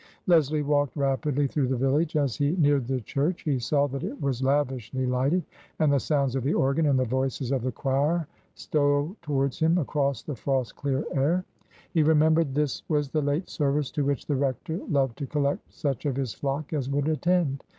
Leslie walked rapidly through the village. As he neared the church, he saw that it was lavishly lighted, and the sounds of the organ and the voices of the choir stole towards him across the frost clear air. He re membered this was the late service to which the rector loved to collect such of his flock as would attend.